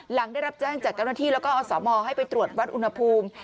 หลังได้รับแจ้งจัดการหน้าที่แล้วก็เอาสอบมอล์ให้ไปตรวจวัตรอุณหภูมิ